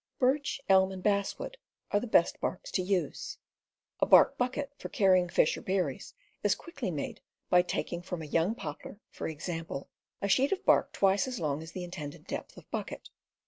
Birch, elm, and basswood are the best barks to use. A bark bucket for carrying fish or berries is quickly made by taking from a young poplar, for example, a sheet of bark twice as long as the intended depth of bucket.